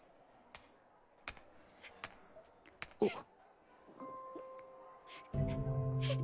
あっ。